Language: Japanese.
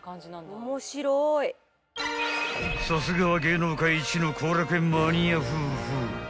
［さすがは芸能界一の幸楽苑マニア夫婦］